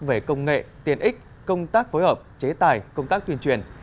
về công nghệ tiền ích công tác phối hợp chế tài công tác tuyên truyền